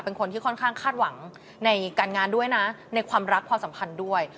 เป็นคนที่ค่อนข้างคาดหวังในการงานด้วยนะในความรักความสัมพันธ์ด้วย